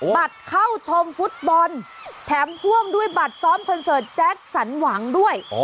บัตรเข้าชมฟุตบอลแถมพ่วงด้วยบัตรซ้อมคอนเสิร์ตแจ็คสันหวังด้วย